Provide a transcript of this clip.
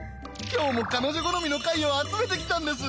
今日も彼女好みの貝を集めてきたんです。